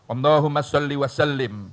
allahumma salli wa sallim